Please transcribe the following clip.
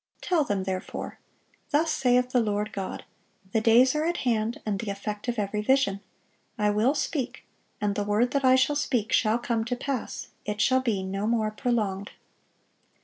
Tell them therefore, Thus saith the Lord God, ... The days are at hand, and the effect of every vision.... I will speak, and the word that I shall speak shall come to pass; it shall be no more prolonged."